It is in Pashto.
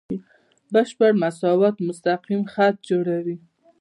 بشپړ مساوات مستقیم خط جوړوي.